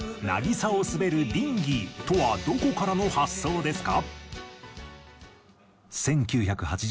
「渚を滑るディンギー」とはどこからの発想ですか？